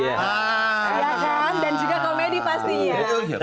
dan juga komedi pastinya